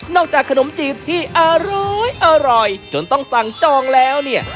จากขนมจีบที่อร้อยจนต้องสั่งจองแล้วเนี่ย